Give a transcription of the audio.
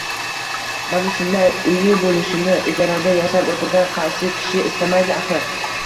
Mana shunday uyi bo`lishini ijarada yashab o`tirgan qaysi kishi istamaydi, axir